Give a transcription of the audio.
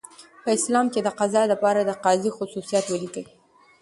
په اسلام کي دقضاء د پاره دقاضي خصوصیات ولیکئ؟